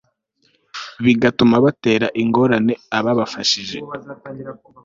bigatuma batera ingorane ababafashije